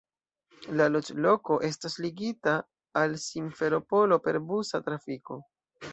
La loĝloko estas ligita al Simferopolo per busa trafiko.